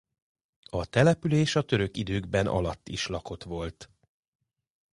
A település a török időkben alatt is lakott volt.